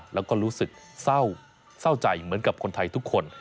แล้วก็รู้สึกเศร้าใจเหมือนกับคนไทยทุกคน